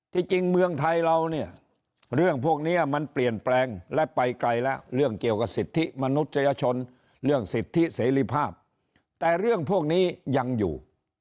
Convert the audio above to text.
จริงเมืองไทยเราเนี่ยเรื่องพวกนี้มันเปลี่ยนแปลงและไปไกลแล้วเรื่องเกี่ยวกับสิทธิมนุษยชนเรื่องสิทธิเสรีภาพแต่เรื่องพวกนี้ยังอยู่